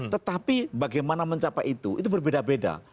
tetapi bagaimana mencapai itu itu berbeda beda